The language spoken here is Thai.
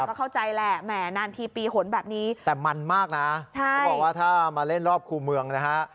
ก็เข้าใจแหละแหมนานทีปีหนแบบนี้แต่มันมากนะเขาบอกว่าถ้ามาเล่นรอบคู่เมืองนะฮะ